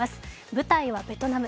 舞台はベトナム。